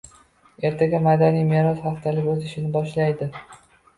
Ertaga Madaniy meros haftaligi o‘z ishini boshlaydi